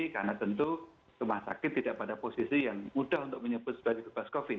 karena tentu rumah sakit tidak pada posisi yang mudah untuk menyebut sebagai bebas covid